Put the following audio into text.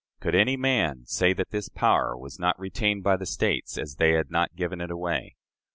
Could any man say that this power was not retained by the States, as they had not given it away?